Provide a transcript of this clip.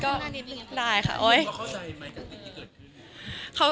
กับพี่เคยอีก